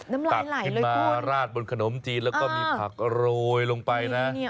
น้ำไหลเลยพูดตัดขึ้นมาราดบนขนมจีนแล้วก็มีผักโรยลงไปนะ